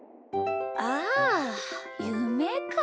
あゆめか。